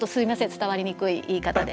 伝わりにくい言い方で。